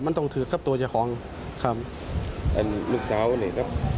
มันต้องถือกับตัวเจ้าของครับครับอันลูกสาวนี่ก็ครับ